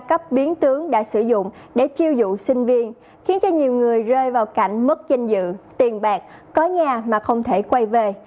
các công ty đa cấp biến tướng đã sử dụng để triêu dụ sinh viên khiến nhiều người rơi vào cảnh mất danh dự tiền bạc có nhà mà không thể quay về